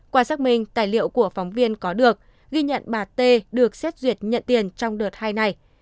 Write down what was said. qua xác minh tài liệu của phóng viên có được ghi nhận bà t được xét duyệt nhận tiền trong đợt hai này